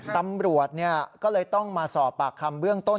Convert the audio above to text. ตำรวจก็เลยต้องมาสอบปากคำเบื้องต้น